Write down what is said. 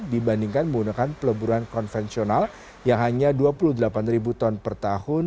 dibandingkan menggunakan peleburan konvensional yang hanya dua puluh delapan ribu ton per tahun